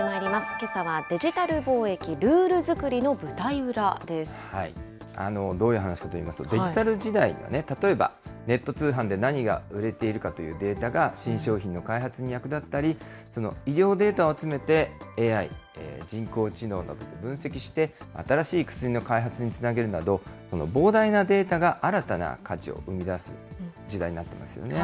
けさはデジタル貿易、ルール作りどういう話かといいますと、デジタル時代は、例えば、ネット通販で何が売れているかというデータが新商品の開発に役立ったり、医療データを集めてＡＩ・人工知能などで分析して、新しい薬の開発につなげるなど、膨大なデータが新たな価値を生み出す時代になってますよね。